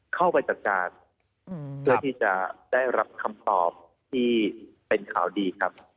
เข้าไปจัดการเพื่อที่จะได้รับคำตอบที่เป็นข่าวดีครับ